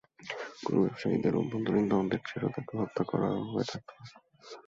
গরু ব্যবসায়ীদের অভ্যন্তরীণ দ্বন্দ্বের জেরেও তাঁকে হত্যা করা হয়ে থাকতে পারে।